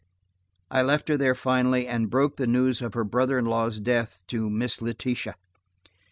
I left her there finally, and broke the news of her brother in law's death to Miss Letitia.